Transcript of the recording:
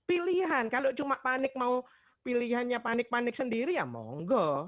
pilihan kalau cuma panik mau pilihannya panik panik sendiri ya monggo